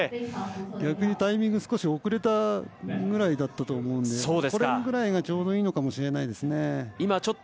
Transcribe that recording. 逆にタイミング少し遅れたぐらいだと思うのでこれぐらいがちょうどいいのかもしれないですね。